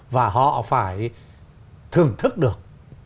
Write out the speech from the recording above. và họ phải thưởng thức được